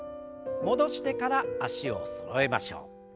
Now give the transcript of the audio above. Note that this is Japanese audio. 戻してから脚をそろえましょう。